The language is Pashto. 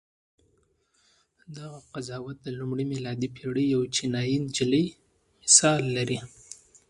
دغه قضاوت د لومړۍ میلادي پېړۍ یوې چینایي نجلۍ مثال لري.